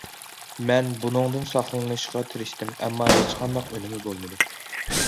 مەن بۇنىڭدىن ساقلىنىشقا تىرىشتىم، ئەمما ھېچقانداق ئۈنۈمى بولمىدى.